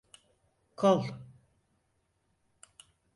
Kol…